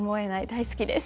大好きです。